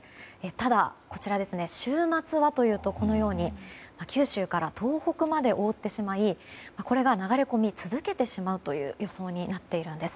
ただ、週末はこのように九州から東北まで覆ってしまいこれが流れ込み続けてしまう予想になっているんです。